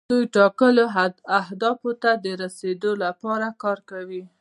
دوی ټاکلو اهدافو ته د رسیدو لپاره کار کوي.